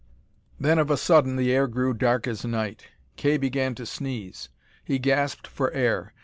Then of a sudden the air grew dark as night. Kay began to sneeze. He gasped for air.